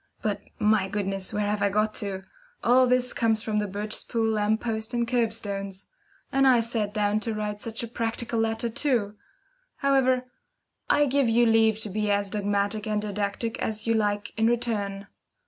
But, my goodness, where have I got to? All this comes from the Birchespool lamp posts and curb stones. And I sat down to write such a practical letter too! However, I give you leave to be as dogmatic and didactic as you like in return.